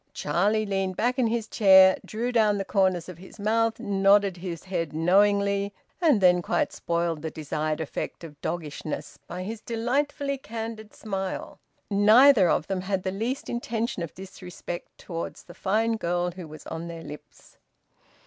Charlie leaned back in his chair, drew down the corners of his mouth, nodded his head knowingly, and then quite spoiled the desired effect of doggishness by his delightfully candid smile. Neither of them had the least intention of disrespect towards the fine girl who was on their lips.